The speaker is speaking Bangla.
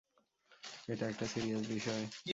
এটা একটা সিরিয়াস বিষয়।